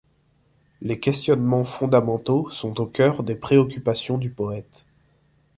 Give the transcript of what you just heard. Les questionnements fondamentaux sont au cœur des préoccupations du poète.